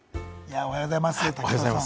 おはようございます、武田さん。